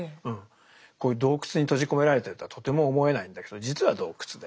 こういう洞窟に閉じ込められてるとはとても思えないんだけど実は洞窟で。